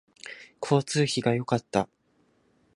交通費が良かった